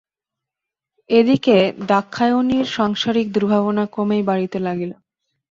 এ দিকে দাক্ষায়ণীর সাংসারিক দুর্ভাবনা ক্রমেই বাড়িতে লাগিল।